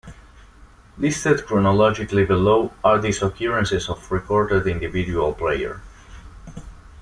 Listed chronologically below are these occurrences of recorded individual prayer.